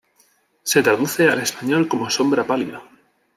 Se traduce al español como Sombra Pálida.